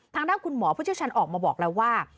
ทางด้านคุณหมอผู้เชี่ยวชาญออกมาบอกแล้วว่า